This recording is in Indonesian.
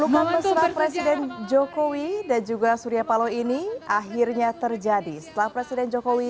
luka mesra presiden jokowi dan juga surya paloh ini akhirnya terjadi setelah presiden jokowi